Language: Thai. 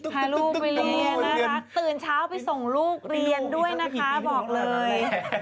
พาลูกไปเรียนน่ารักตื่นเช้าไปส่งลูกเรียนด้วยนะคะบอกเลย